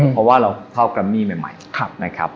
เพราะว่าเราเข้ากรัมมีใหม่